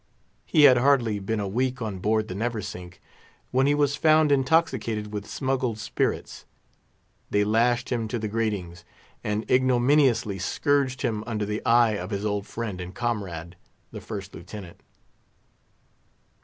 He had hardly been a week on board the Neversink, when he was found intoxicated with smuggled spirits. They lashed him to the gratings, and ignominiously scourged him under the eye of his old friend and comrade, the First Lieutenant.